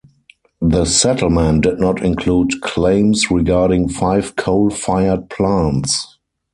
The settlement did not include claims regarding five coal-fired plants.